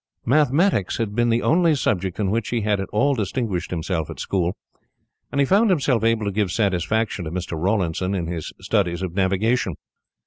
Mathematics had been the only subject in which he had at all distinguished himself at school, and he found himself able to give satisfaction to Mr. Rawlinson, in his studies of navigation.